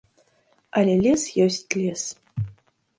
Але лес ёсць лес.